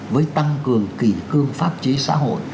với tăng cường kỳ cương pháp chế xã hội